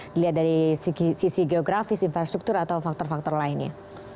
dilihat dari sisi geografis infrastruktur atau faktor faktor lainnya